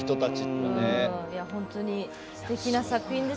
本当にすてきな作品です。